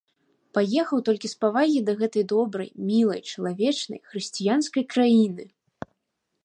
Паехаў толькі з павагі да гэтай добрай, мілай, чалавечнай, хрысціянскай краіны!